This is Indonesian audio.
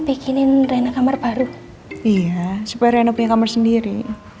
bikinin rena kamar baru iya supaya kamu sendiri